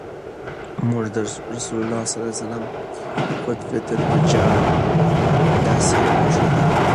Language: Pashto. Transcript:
مونږ ته رسول الله صلی الله عليه وسلم خُطْبَةَ الْحَاجَة داسي را ښودلي